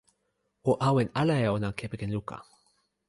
o awen ala e ona kepeken luka.